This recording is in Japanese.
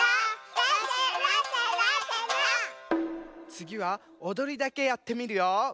つぎはおどりだけやってみるよ！